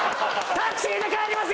タクシーで帰ります！